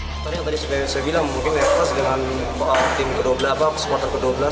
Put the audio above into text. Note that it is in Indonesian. tadi seperti yang saya bilang mungkin nefas dengan supporter ke dua belas